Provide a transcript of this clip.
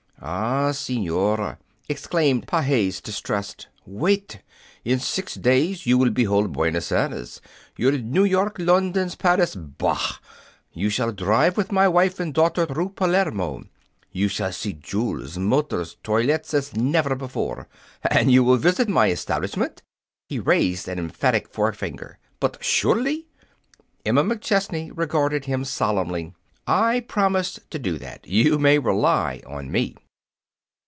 "Ah, senora," exclaimed Pages, distressed, "wait! In six days you will behold Buenos Aires. Your New York, Londres, Paris bah! You shall drive with my wife and daughter through Palermo. You shall see jewels, motors, toilettes as never before. And you will visit my establishment?" He raised an emphatic forefinger. "But surely!" Emma McChesney regarded him solemnly. "I promise to do that. You may rely on me."